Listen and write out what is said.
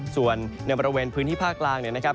ส่วนในบริเวณพื้นที่ภาคกลางเนี่ยนะครับ